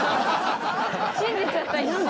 信じちゃった一瞬。